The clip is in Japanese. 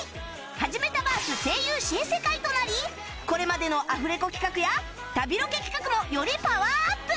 『はじメタバース！！声優新世界』となりこれまでのアフレコ企画や旅ロケ企画もよりパワーアップ！